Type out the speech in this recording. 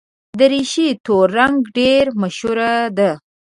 دریشي تور رنګ ډېره مشهوره ده.